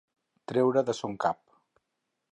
Treure de son cap.